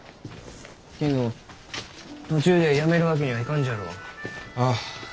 けんど途中でやめるわけにはいかんじゃろう？ああ。